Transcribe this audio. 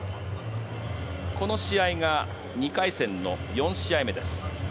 この試合が２回戦の４試合目です。